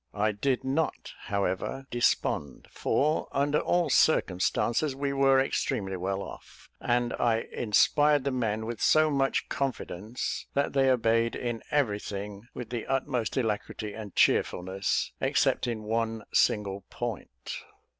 I did not, however, despond, for, under all circumstances, we were extremely well off: and I inspired the men with so much confidence, that they obeyed in everything, with the utmost alacrity and cheerfulness, except in one single point.